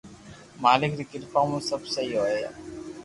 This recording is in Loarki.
مالڪ ري ڪرپا مون سب سھي ھوئي